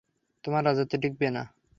তোমার রাজত্ব টিকবে না।